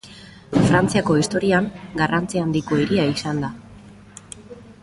Frantziako historian garrantzi handiko hiria izan da.